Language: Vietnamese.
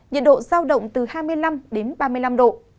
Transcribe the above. nhiệt độ giao động từ hai mươi năm đến ba mươi năm độ